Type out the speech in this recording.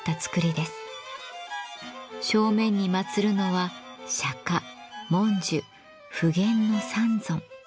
正面に祭るのは釈文殊普賢の三尊。